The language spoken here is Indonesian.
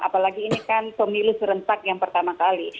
apalagi ini kan pemilu serentak yang pertama kali